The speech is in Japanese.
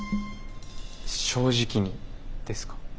正直にですか？